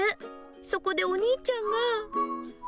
そこでお兄ちゃんが。